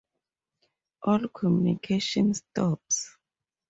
All communication stops.